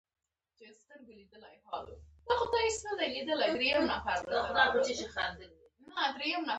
سږي اکسیجن ساتي.